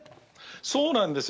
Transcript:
そうなんですよ。